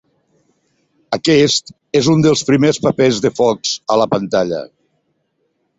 Aquest és un dels primers papers de Fox a la pantalla.